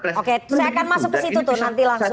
oke saya akan masuk ke situ tuh nanti langsung